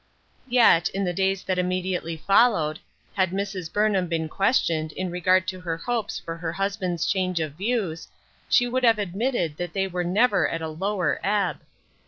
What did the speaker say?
YET, in the days that immediately followed, had Mrs. Burnham been questioned in regard to her hopes for her husband's change of views, she would have admitted that they were never at a lower ebb.